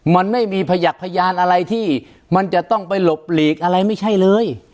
มันไม่มีพยักษ์พยานอะไรที่มันจะต้องไปหลบหลีกอะไรไม่ใช่เลย